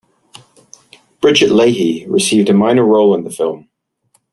Brigitte Lahaie received a minor role in the film.